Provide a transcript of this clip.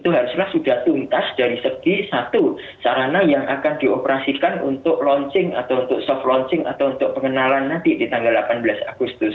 itu haruslah sudah tuntas dari segi satu sarana yang akan dioperasikan untuk launching atau untuk soft launching atau untuk pengenalan nanti di tanggal delapan belas agustus